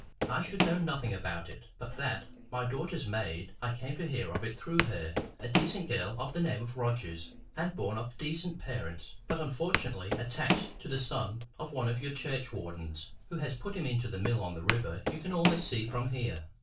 I should know nothing about it, but that, my daughter's maid—I came to hear of it through her—a decent girl of the name of Rogers, and born of decent parents, but unfortunately attached to the son of one of your churchwardens, who has put him into that mill on the river you can almost see from here."